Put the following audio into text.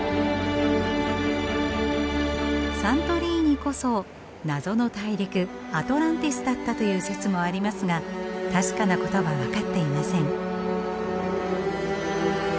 サントリーニこそ謎の大陸アトランティスだったという説もありますが確かなことは分かっていません。